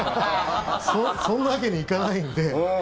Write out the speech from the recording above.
そんなわけにはいかないので。